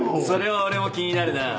それは俺も気になるな。